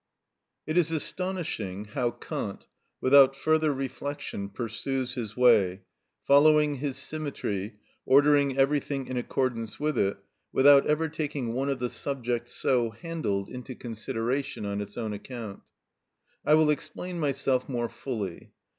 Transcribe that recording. ‐‐‐‐‐‐‐‐‐‐‐‐‐‐‐‐‐‐‐‐‐‐‐‐‐‐‐‐‐‐‐‐‐‐‐‐‐ It is astonishing how Kant, without further reflection, pursues his way, following his symmetry, ordering everything in accordance with it, without ever taking one of the subjects so handled into consideration on its own account. I will explain myself more fully.